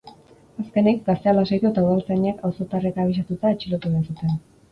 Azkenik, gaztea lasaitu eta udaltzainek, auzotarrek abisatuta, atxilotu egin zuten.